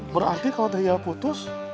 berarti kalau tehia putus